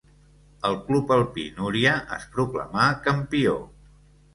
El Club Alpí Núria es proclamà campió.